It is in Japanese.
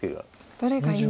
どれがいいのか。